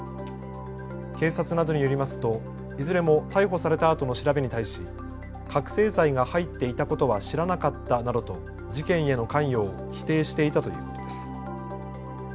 警察などによりますといずれも逮捕されたあとの調べに対し覚醒剤が入っていたことは知らなかったなどと事件への関与を否定していたということです。